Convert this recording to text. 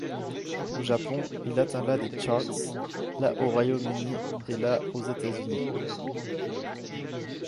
Au Japon, il atteint la des charts, la au Royaume-Uni et la aux États-Unis.